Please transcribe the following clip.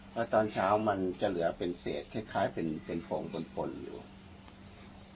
เพราะตอนเช้ามันจะเหลือเป็นเศษคล้ายเป็นโพรงปนอยู่